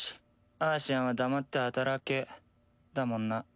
「アーシアンは黙って働け」だもんな。